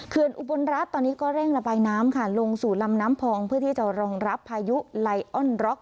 อุบลรัฐตอนนี้ก็เร่งระบายน้ำค่ะลงสู่ลำน้ำพองเพื่อที่จะรองรับพายุไลออนร็อก